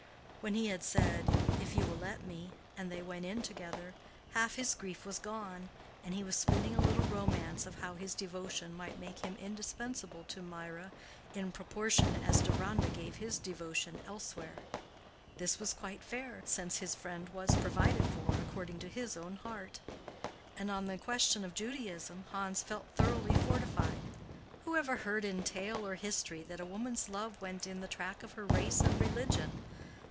When he had said, "If you will let me," and they went in together, half his grief was gone, and he was spinning a little romance of how his devotion might make him indispensable to Mirah in proportion as Deronda gave his devotion elsewhere. This was quite fair, since his friend was provided for according to his own heart; and on the question of Judaism Hans felt thoroughly fortified:—who ever heard in tale or history that a woman's love went in the track of her race and religion?